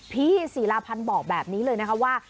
ศิลาพันธ์บอกแบบนี้เลยนะคะว่า